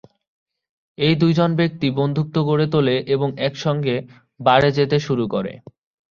এই দুজন ব্যক্তি বন্ধুত্ব গড়ে তোলে এবং একসঙ্গে বারে যেতে শুরু করে।